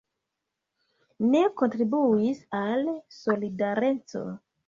Ne kontribuis al Solidareco.